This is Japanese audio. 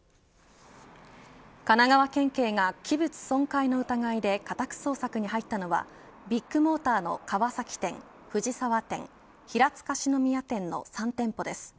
神奈川県警が、器物損壊の疑いで家宅捜索に入ったのはビッグモーターの川崎店、藤沢店平塚四之宮店の３店舗です。